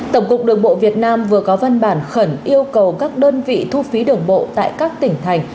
tổng cục đường bộ việt nam vừa có văn bản khẩn yêu cầu các đơn vị thu phí đường bộ tại các tỉnh thành